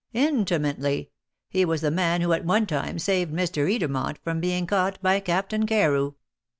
"Intimately. He was the man who at one time saved Mr. Edermont from being caught by Captain Carew."